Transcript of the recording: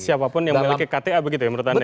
siapapun yang memiliki kta begitu ya menurut anda